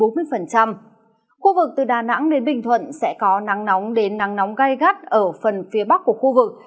khu vực từ đà nẵng đến bình thuận sẽ có nắng nóng đến nắng nóng gai gắt ở phần phía bắc của khu vực